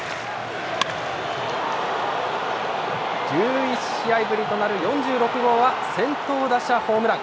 １１試合ぶりとなる４６号は、先頭打者ホームラン。